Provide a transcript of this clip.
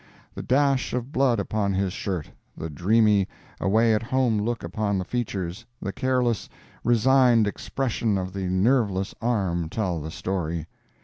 The dash of blood upon his shirt, the dreamy, away at home look upon the features, the careless, resigned expression of the nerveless arm, tell the story.